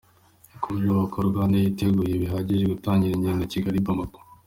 Yakomeje avuga ko RwandAir yiteguye bihagije gutangira ingendo Kigali- Bamako.